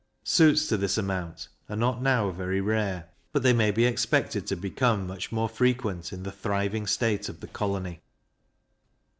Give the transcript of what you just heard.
Suits to this amount are not now very rare, but they may be expected to become much more frequent in the thriving state of the colony.